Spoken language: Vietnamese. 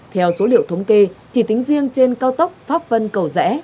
theo số liệu thống kê chỉ tính riêng trên cao tốc pháp vân cầu rẽ